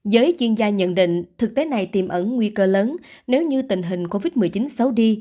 giới chuyên gia nhận định thực tế này tiềm ẩn nguy cơ lớn nếu như tình hình covid một mươi chín xấu đi